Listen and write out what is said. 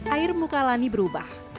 air muka lani berubah